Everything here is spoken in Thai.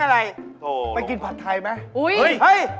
เฮ่ยเฮ่ยเฮ่ยเฮ่ยเฮ่ย